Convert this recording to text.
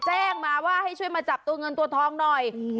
แจ้งมาว่าให้ช่วยมาจับตัวเงินตัวทองหน่อย